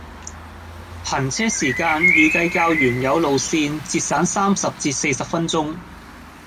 行車時間預計較原有路線節省三十至四十分鐘。